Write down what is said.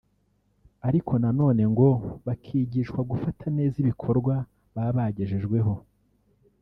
ariko na none ngo bakigishwa gufata neza ibikorwa baba bagejejweho